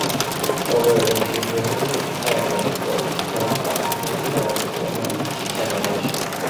鲍威尔镇区为位在美国堪萨斯州科曼奇县的镇区。